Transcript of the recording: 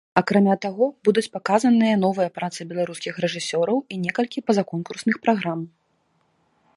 Акрамя таго, будуць паказаныя новыя працы беларускіх рэжысёраў і некалькі пазаконкурсных праграм.